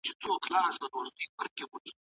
عثمان